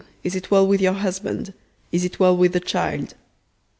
is it well with your husband? is it well with the child?